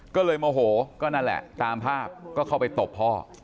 ก็เลยโมโหก็นั่นแหละตามภาพก็เข้าไปตบพ่อ